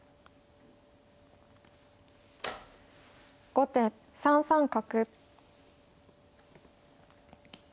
後手３三角。